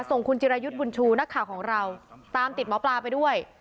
ส่งคุณจิรายุทธ์บุญชูนักข่าวของเราตามติดหมอปลาไปด้วย